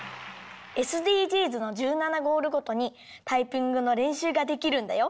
ＳＤＧｓの１７ゴールごとにタイピングのれんしゅうができるんだよ。